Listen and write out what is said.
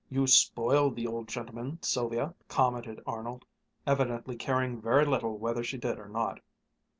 "You spoil the old gentlemen, Sylvia," commented Arnold, evidently caring very little whether she did or not.